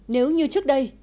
nếu như trước đây